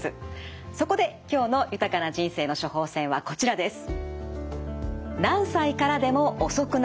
そこで今日の豊かな人生の処方せんはこちらです。